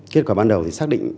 kết quả ban đầu thì xác định